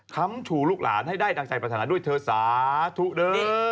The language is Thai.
คำชูลูกหลานให้ได้ดังใจปรารถนาด้วยเธอสาธุเด้อ